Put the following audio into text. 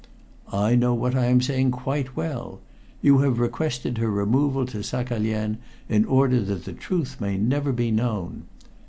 "I know what I am saying quite well. You have requested her removal to Saghalien in order that the truth shall be never known.